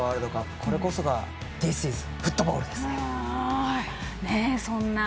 これこそがディスイズフットボールですね。